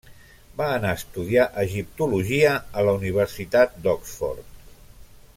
Va anar a estudiar egiptologia a la Universitat d'Oxford.